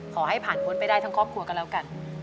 ขอให้ผ่านพ้นไปได้ทั้งครอบครัวก็แล้วกัน